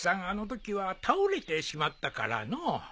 あのときは倒れてしまったからの。